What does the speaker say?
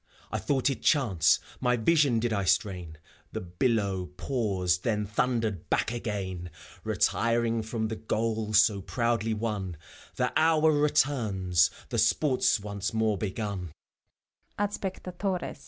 I thought it chance, my vision did I strain ; The billow paused, then thundered back again, Retiring from the goal so proudly won : The hour returns, the sport's once more begun.